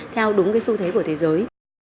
theo đúng cái xu thế của thế giới